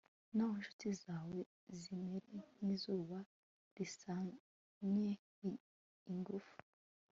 naho incuti zawe zimere nk'izuba rirasanye ingufu